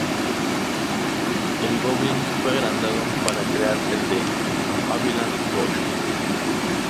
El Goblin fue agrandado para crear el de Havilland Ghost.